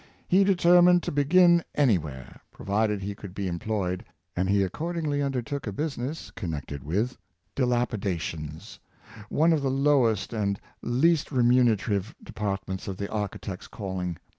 He determined to begin anywhere, pro vided he could be employed; and he accordingly under took a business connected with dilapidations — one of the lowest and least remunerative departments of the architect's calling.